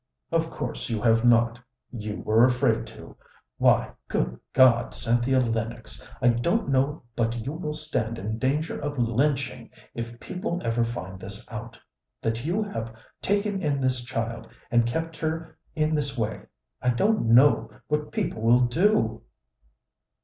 "Of course you have not. You were afraid to. Why, good God! Cynthia Lennox, I don't know but you will stand in danger of lynching if people ever find this out, that you have taken in this child and kept her in this way I don't know what people will do."